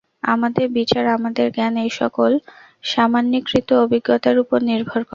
আমাদের বিচার, আমাদের জ্ঞান এই-সকল সামান্যীকৃত অভিজ্ঞতার উপর নির্ভর করে।